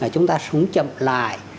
chúng ta sống chậm lại